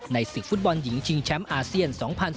ศึกฟุตบอลหญิงชิงแชมป์อาเซียน๒๐๑๙